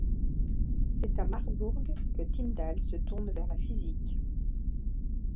C'est à Marbourg que Tyndall se tourne vers la physique.